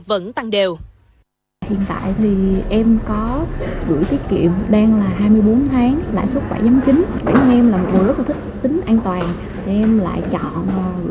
vẫn tăng đều